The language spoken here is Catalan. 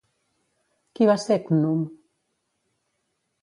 Qui va ser Khnum?